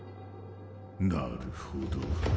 なるほど。